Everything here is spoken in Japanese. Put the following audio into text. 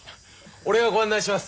俺がご案内します。